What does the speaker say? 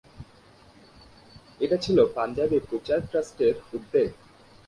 এটি ছিল পাঞ্জাবি প্রচার ট্রাস্টের উদ্যোগ।